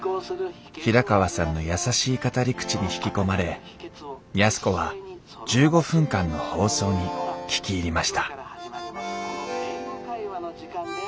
平川さんの優しい語り口に引き込まれ安子は１５分間の放送に聴き入りました